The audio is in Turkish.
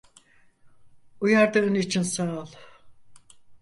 Uyardığın için sağ ol.